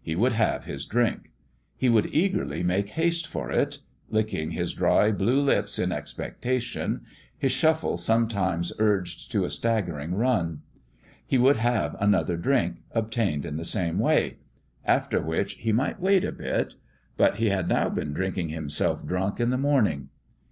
He would have his drink ; he would eagerly make haste for it lick ing his dry, blue lips in expectation his shuffle sometimes urged to a staggering run. He would have another drink, obtained in the same way : after which he might wait a bit. ... But he had now been drinking himself drunk in the morn ing.